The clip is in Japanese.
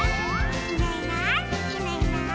「いないいないいないいない」